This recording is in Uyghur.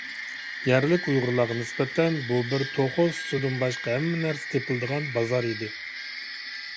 يەرلىك ئۇيغۇرلارغا نىسبەتەن، بۇ بىر «توخۇ سۈتىدىن باشقا ھەممە نەرسە تېپىلىدىغان بازار» ئىدى.